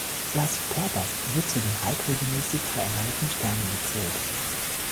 La Superba wird zu den halbregelmäßig veränderlichen Sternen gezählt.